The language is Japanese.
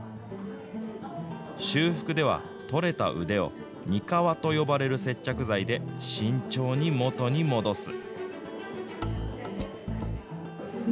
修復では、取れた腕をにかわと呼ばれる接着剤で慎重に元に戻す。